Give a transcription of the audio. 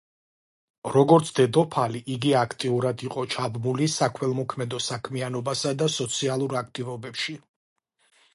როგორც დედოფალი იგი აქტიურად იყო ჩაბმული საქველმოქმედო საქმიანობასა და სოციალურ აქტივობებში.